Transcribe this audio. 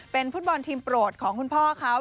เป็นฟุตบอลทีมโปรดของคุณพ่อเขา